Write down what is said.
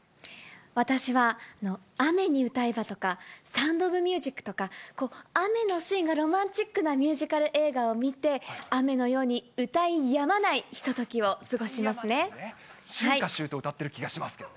私は、あめにうたえばとか、サウンド・オブ・ミュージックとか、雨のシーンがロマンチックなミュージカル映画を見て、雨のように歌いや春夏秋冬歌ってる気がします